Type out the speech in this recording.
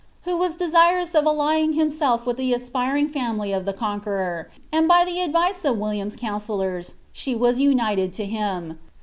who was desirous of aflf ing himself with die aspiring bmily of the Conqueror, and far the adrici of William'a councillors she was united to him.